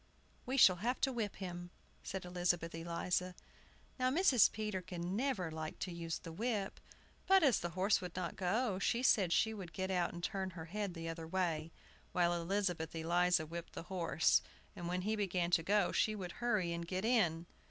"We shall have to whip him," said Elizabeth Eliza. Now Mrs. Peterkin never liked to use the whip; but, as the horse would not go, she said she would get out and turn her head the other way, while Elizabeth Eliza whipped the horse, and when he began to go she would hurry and get in.